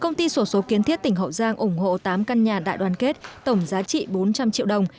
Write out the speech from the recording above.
công ty sổ số kiến thiết tỉnh hậu giang ủng hộ tám căn nhà đại đoàn kết tổng giá trị bốn trăm linh triệu đồng